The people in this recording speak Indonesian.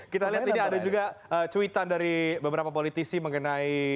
kita lihat ini ada juga cuitan dari beberapa politisi mengenai